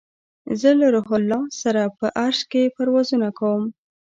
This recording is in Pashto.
زه له روح الله سره په عرش کې پروازونه کوم